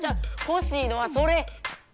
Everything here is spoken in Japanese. ほしいのはそれ。